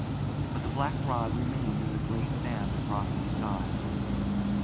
But the black rod remained as a great band across the sky.